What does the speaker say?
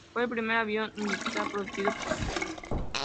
Fue el primer avión militar producido por Bell.